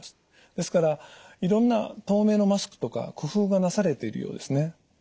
ですからいろんな透明のマスクとか工夫がなされているようですね。